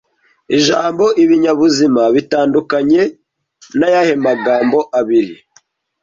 Ijambo "ibinyabuzima bitandukanye" ni ayahe magambo abiri